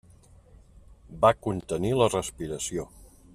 Va contenir la respiració.